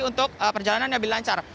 untuk perjalanan yang lebih lancar